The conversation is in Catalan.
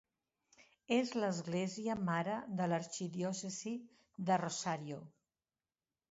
És l'església mare de l'arxidiòcesi de Rosario.